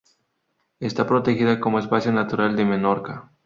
Está protegida como espacio natural de Menorca.